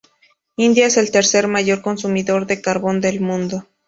India es el tercer mayor consumidor de carbón del mundo.